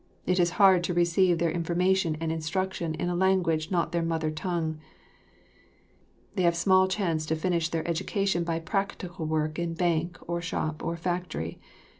It is hard to receive their information and instruction in a language not their mother tongue. They have small chance to finish their education by practical work in bank or shop or factory.